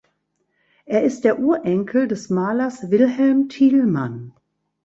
Er ist der Urenkel des Malers Wilhelm Thielmann.